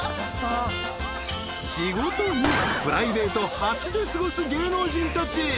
［仕事２プライベート８で過ごす芸能人たち］